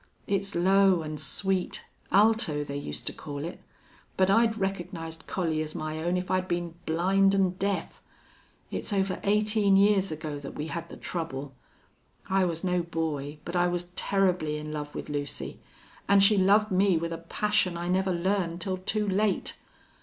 It's low an' sweet alto, they used to call it.... But I'd recognized Collie as my own if I'd been blind an' deaf.... It's over eighteen years ago that we had the trouble. I was no boy, but I was terribly in love with Lucy. An' she loved me with a passion I never learned till too late.